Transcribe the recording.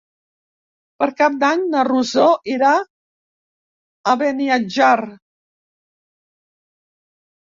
Per Cap d'Any na Rosó irà a Beniatjar.